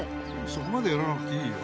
そこまでやらなくていいよ。